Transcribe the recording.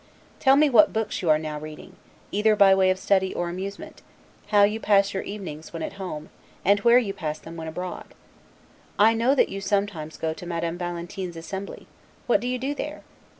Tell me what books you are now reading, either by way of study or amusement; how you pass your evenings when at home, and where you pass them when abroad. I know that you go sometimes to Madame Valentin's assembly; What do you do there?